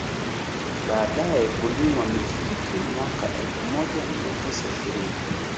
Baadae kulimwa michikichi mwaka elfu moja mia tisa ishirini